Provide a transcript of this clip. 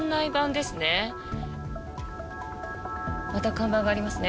看板がありますね。